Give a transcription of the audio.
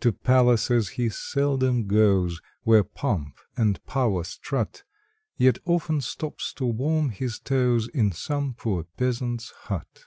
To palaces he seldom goes, Where pomp and power strut, Yet often stops to warm his toes In some poor peasant s hut.